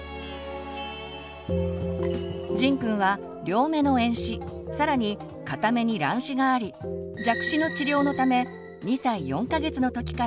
じんくんは両目の遠視更に片目に乱視があり弱視の治療のため２歳４か月の時からめがねをかけています。